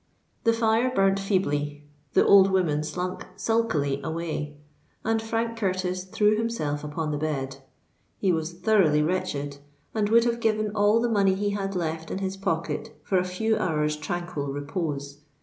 The fire burnt feebly—the old woman slunk sulkily away—and Frank Curtis threw himself upon the bed. He was thoroughly wretched, and would have given all the money he had left in his pocket for a few hours' tranquil repose.